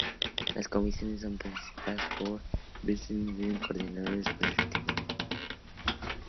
Las Comisiones son presididas por los Vicepresidentes o Coordinadores respectivos.